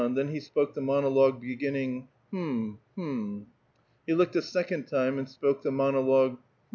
then he spoke the monolc^ue beginning ^^Ilm ! hni !" He looked a second time and spoke the mon ol(»gue ^' llui !